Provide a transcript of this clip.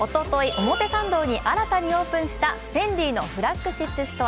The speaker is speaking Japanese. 表参道に新たにオープンしたＦＥＮＤＩのフラッグシップストア。